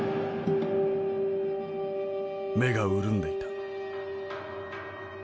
「目が潤んでいた。